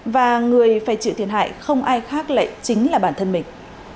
và người phải chịu thiệt hại không ai khác lại chính là bản thân mình